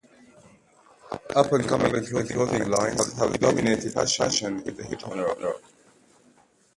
Up and coming urban clothing lines have dominated the fashion in the Hip-Hop genre.